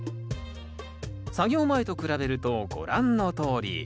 作業前と比べるとご覧のとおり。